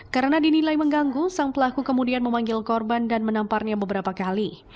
karena dinilai mengganggu sang pelaku kemudian memanggil korban dan menamparnya beberapa kali